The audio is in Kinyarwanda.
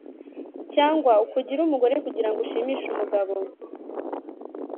cyangwa ukugire umugore kugirango ushimishe umugabo